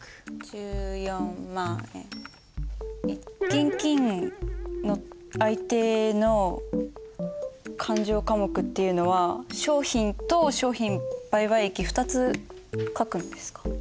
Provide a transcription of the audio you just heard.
現金の相手の勘定科目っていうのは商品と商品売買益２つ書くんですか？